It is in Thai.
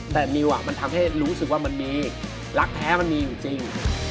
แต่นิวมันทำให้รู้สึกว่ามันมีรักแท้มันมีอยู่จริง